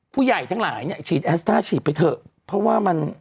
ผู้ใหญ่ทั้งหลายเนี่ยฉีดแอสต้าฉีดไปเถอะเพราะว่ามัน